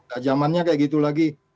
gak jamannya kayak gitu lagi